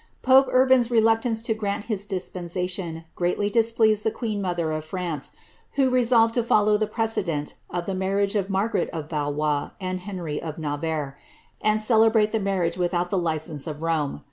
Pope Urban's reluctance to grant his dispensation greatly displeased the queen mother of France, who resolved to follow the precedent of the marriage of Margaret of Valois and Henry of Navarre, \nd celebrate the marriage without the license of Rome.